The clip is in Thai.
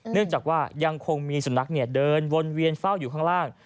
เนื่องจากว่ายังคงมีสุนัขเดินวนเวียนเฝ้าอยู่ข้างล่าง